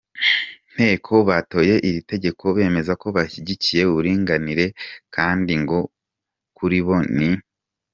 nteko batoye iri tegeko bemeza ko bashyigikiye uburinganire kandi ngo kuri bo ni.